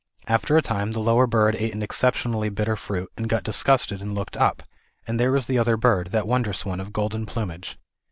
After a time the lower bird ate an exceptionally bitter fruit, and got disgusted and looked up, and there was the other bird," that wondrous one of golden plumage.